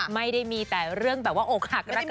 ไม่ได้มีแต่เรื่องแบบว่าอกหักรักกับราวเท่านั้น